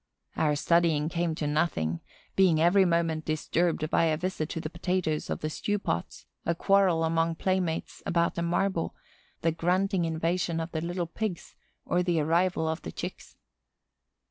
Our studying came to nothing, being every moment disturbed by a visit to the potatoes in the stew pots, a quarrel among playmates about a marble, the grunting invasion of the little Pigs or the arrival of the Chicks.